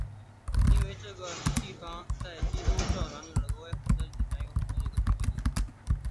因此这个地方在基督教传播到挪威之前很久以来就已经是一个重要的聚集地了。